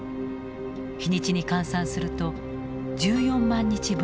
日にちに換算すると１４万日分になる。